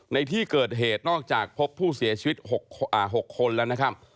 ในที่เกิดเหตุนอกจากพบผู้เสียชีวิต๖คนแล้วนะครับ